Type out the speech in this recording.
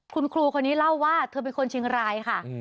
คุณครูคนนี้เล่าว่าเธอเป็นคนเชียงรายค่ะ